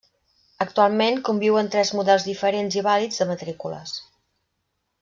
Actualment conviuen tres models diferents i vàlids de matrícules.